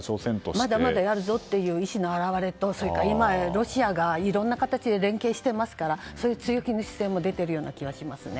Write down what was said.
まだまだやるぞという意思の表れと、それから、今やロシアがいろんな形で連携していますからそういう強気な姿勢も出ているような気もしますね。